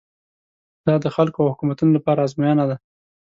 دا د خلکو او حکومتونو لپاره ازموینه ده.